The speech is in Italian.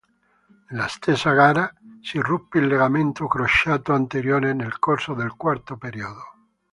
Nella stessa gara si ruppe il legamento crociato anteriore nel corso del quarto periodo.